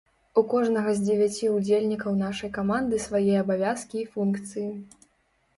У кожнага з дзевяці ўдзельнікаў нашай каманды свае абавязкі і функцыі.